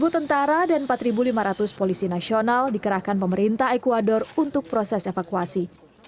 sepuluh tentara dan empat lima ratus polisi nasional dikerahkan pemerintah ecuador untuk proses evakuasi